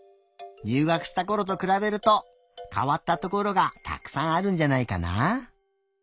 入学したころとくらべるとかわったところがたくさんあるんじゃないかな？